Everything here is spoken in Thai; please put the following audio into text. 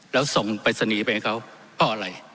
แล้วส่งไปสนีไปให้เขาเพราะอะไร